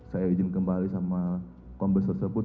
saya izin kembali sama kombes tersebut